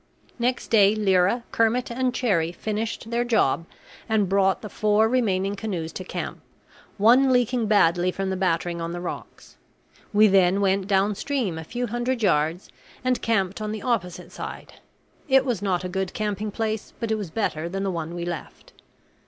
Next day Lyra, Kermit, and Cherrie finished their job, and brought the four remaining canoes to camp, one leaking badly from the battering on the rocks. We then went down stream a few hundred yards, and camped on the opposite side; it was not a good camping place, but it was better than the one we left.